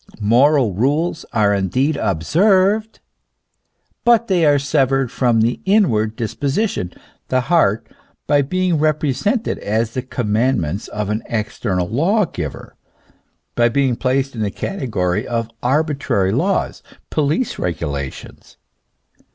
Moral rules are indeed observed, but they are severed from the inward disposi tion, the heart, by being represented as the commandments of an external law giver, by being placed in the category of arbi trary laws, police regulations.